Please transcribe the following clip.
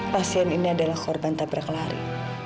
pasien ini adalah korban tabrak lari